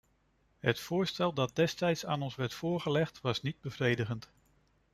Het voorstel dat destijds aan ons werd voorgelegd, was niet bevredigend.